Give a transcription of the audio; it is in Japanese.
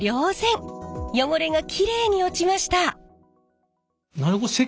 汚れがきれいに落ちました。